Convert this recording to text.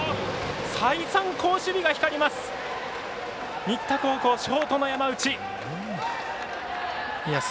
再三、好守備が光ります。